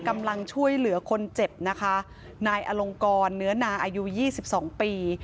กำลังช่วยเหลือคนเจ็บนะคะนายอลงกรเนื้อหนาอายุ๒๒ปี